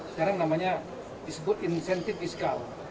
sekarang namanya disebut insentif fiskal